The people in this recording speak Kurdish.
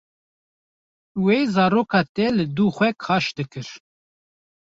Wê zaroka te li du xwe kaş dikir.